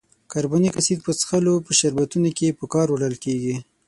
کاربونیک اسید په څښلو په شربتونو کې په کار وړل کیږي.